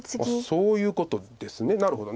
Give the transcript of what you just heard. そういうことですねなるほど。